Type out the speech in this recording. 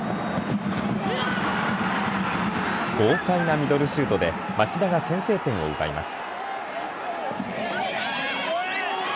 豪快なミドルシュートで町田が先制点を奪います。